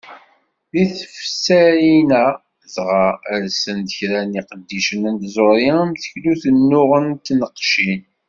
Deg tefsarin-a dɣa, rsen-d kra n yiqeddicen n tẓuri am teklut, unuɣen d tneqcin.